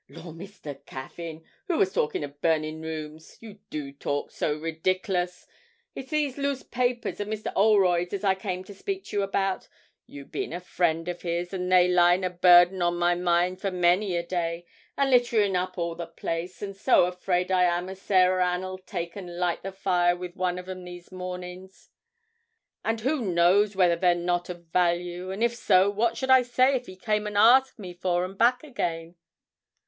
'Lor, Mr. Caffyn, who was talking of burnin' rooms? You do talk so ridiklus. It's these loose papers of Mr. 'Olroyd's as I came to speak to you about, you bein' a friend of his, and they lyin' a burden on my mind for many a day, and litterin' up all the place, and so afraid I am as Sarah Ann'll take and light the fire with 'em one of these mornings, and who knows whether they're not of value, and if so what should I say if he came and asked me for 'em back again?'